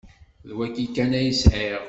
D wayi kan ay sɛiɣ.